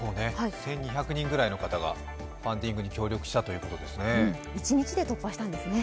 １２００人ぐらいの方がファンディングに協力したんですね。